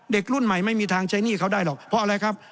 เด็กรุ่นใหม่ไม่มีทางใช้หนี้เขาได้หรอกเพราะอะไรครับ